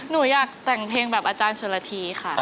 หนูอยากแต่งเพลงแบบอาจารย์ชนละทีค่ะ